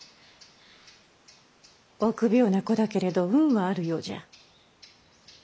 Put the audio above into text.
臆病な子だけれど運はあるようじゃ。